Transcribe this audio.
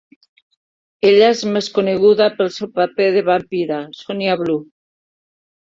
Ella és més coneguda pel seu paper de vampira, Sonja Blue.